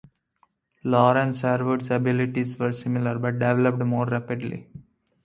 Lauren Sherwood's abilities were similar, but developed more rapidly.